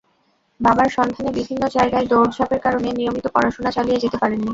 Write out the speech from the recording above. বাবার সন্ধানে বিভিন্ন জায়গায় দৌড়ঝাঁপের কারণে নিয়মিত পড়াশোনা চালিয়ে যেতে পারেননি।